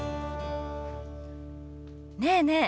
ねえねえ